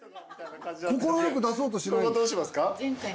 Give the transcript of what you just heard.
快く出そうとしない。